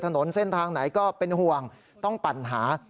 ถนนเส้นทางไหนก็เป็นห่วงต้องปั่นหา